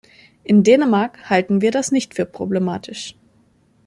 In Dänemark halten wir das nicht für problematisch.